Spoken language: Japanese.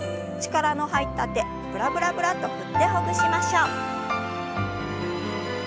力の入った手ブラブラブラッと振ってほぐしましょう。